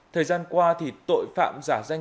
thời gian qua tội phạm giả danh